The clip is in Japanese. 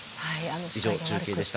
以上、中継でした。